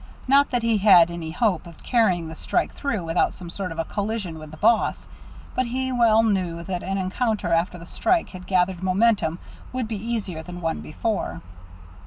Not that he had any hope of carrying the strike through without some sort of a collision with the boss, but he well knew that an encounter after the strike had gathered momentum would be easier than one before.